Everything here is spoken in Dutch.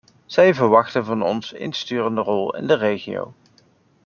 Zij verwachten van ons een sturende rol in de regio.